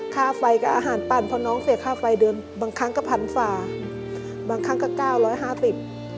ค่าไฟกับอาหารปั่นเพราะน้องเสียค่าไฟเดินบางครั้งก็พันฝ่าบางครั้งก็เก้าร้อยห้าสิบ